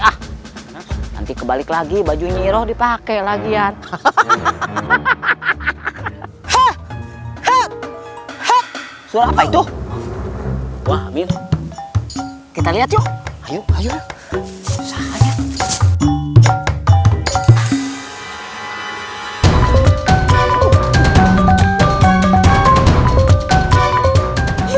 ah nanti kebalik lagi bajunya iroh dipakai lagian hahaha hahaha surah apa itu kita lihat yuk ayo